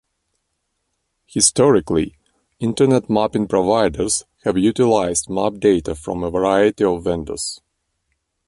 Historically, Internet mapping providers have utilized map data from a variety of vendors.